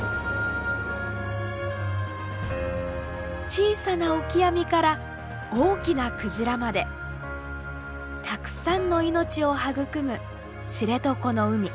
小さなオキアミから大きなクジラまでたくさんの命を育む知床の海。